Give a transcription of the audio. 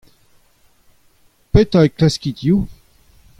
Petra a glaskit-hu ?